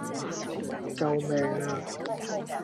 救命呀